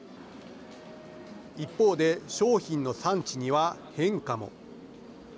一方で、商品の産地には変化も。